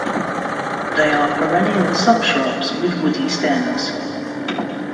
They are perennial subshrubs with woody stems.